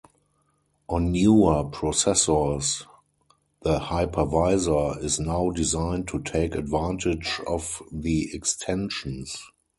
On newer processors, the hypervisor is now designed to take advantage of the extensions.